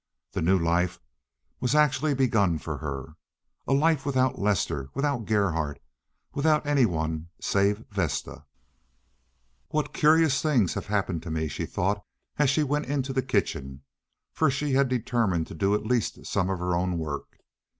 The new life was actually begun for her—a life without Lester, without Gerhardt, without any one save Vesta. "What curious things have happened to me!" she thought, as she went into the kitchen, for she had determined to do at least some of her own work.